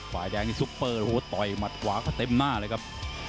ฝ่ายแดงนี่ซุปเปอร์โอ้โหต่อยหมัดขวาก็เต็มหน้าเลยครับ